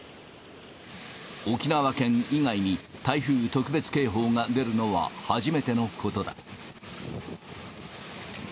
沖縄県以外に台風特別警報が出るのは初めてのことだ。